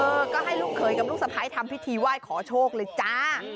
เออก็ให้ลูกเขยกับลูกสะพ้ายทำพิธีไหว้ขอโชคเลยจ้า